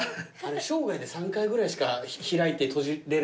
生涯で３回ぐらいしか開いて閉じれないんだってね。